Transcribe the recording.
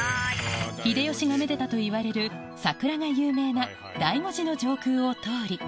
秀吉がめでたといわれる桜が有名な醍醐寺の上空を通り